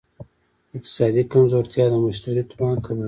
اقتصادي کمزورتیا د مشتري توان کموي.